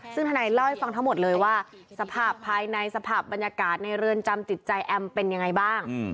ซึ่งทนายเล่าให้ฟังทั้งหมดเลยว่าสภาพภายในสภาพบรรยากาศในเรือนจำจิตใจแอมเป็นยังไงบ้าง